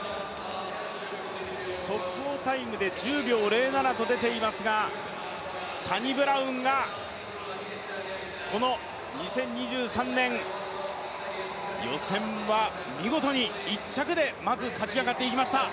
速報タイムで１０秒０７と出ていますがサニブラウンがこの２０２３年予選は見事に１着でまず勝ち上がっていきました。